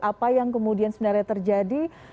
apa yang kemudian sebenarnya terjadi